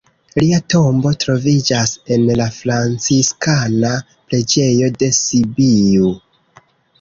Lia tombo troviĝas en la Franciskana preĝejo de Sibiu.